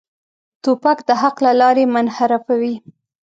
توپک د حق له لارې منحرفوي.